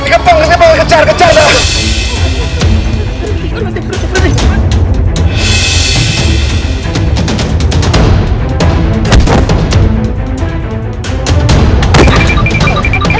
gampang kesel kejar kejar lah